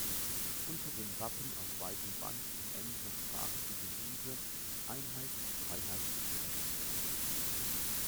Unter dem Wappen auf weißem Band in englischer Sprache die Devise "Einheit, Freiheit, Gerechtigkeit".